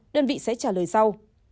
đơn vị sẽ trả lời sau